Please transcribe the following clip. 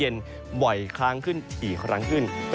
นะครับ